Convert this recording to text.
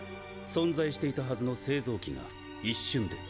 存在していたはずの製造機が一瞬で。